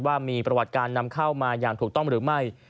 ว่ามีประวัติการนำเข้ามาอย่างถูกต้องหรือไม่